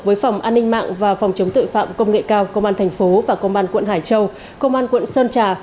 với phòng an ninh mạng và phòng chống tội phạm công nghệ cao công an thành phố và công an quận hải châu công an quận sơn trà